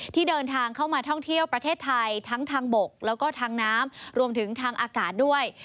ที่เดินทางเข้ามาท่องเที่ยวประเทศไทยทั้งทางบกแล้วก็ทางน้ำรวมถึงทางอากาศด้วย